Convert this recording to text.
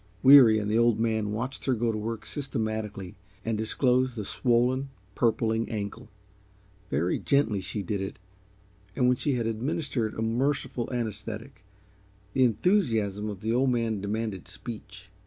Weary and the Old Man watched her go to work systematically and disclose the swollen, purpling ankle. Very gently she did it, and when she had administered a merciful anaesthetic, the enthusiasm of the Old Man demanded speech.